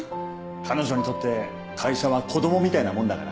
彼女にとって会社は子供みたいなもんだから。